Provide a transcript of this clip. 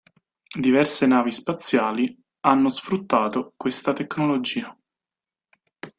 Diverse navi spaziali hanno sfruttato questa tecnologia.